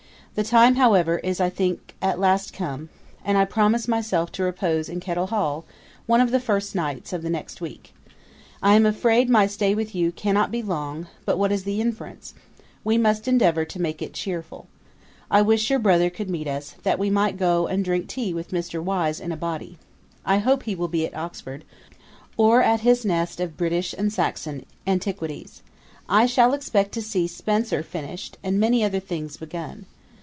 The time, however, is, I think, at last come; and I promise myself to repose in Kettel Hall, one of the first nights of the next week. I am afraid my stay with you cannot be long; but what is the inference? We must endeavour to make it chearful. I wish your brother could meet us, that we might go and drink tea with Mr. Wise in a body. I hope he will be at Oxford, or at his nest of British and Saxon antiquities. I shall expect to see Spenser finished, and many other things begun.